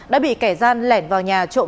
đã bị kẻ gian lẻn vào nhà trộm